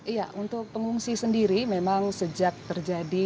iya untuk pengungsi sendiri memang sejak terjadi